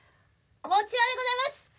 こちらでございます。